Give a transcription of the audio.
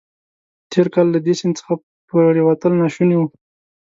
تېر کال له دې سیند څخه پورېوتل ناشوني وو.